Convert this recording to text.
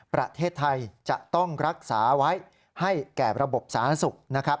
ประเทศไทยจะต้องรักษาไว้ให้แก่ระบบสาธารณสุขนะครับ